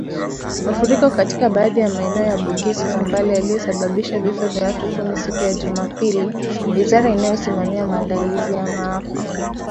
Mafuriko katika baadhi ya maeneo ya Bugisu na Mbale yalisababisha vifo vya watu kumi siku ya Jumapili, wizara inayosimamia maandalizi ya maafa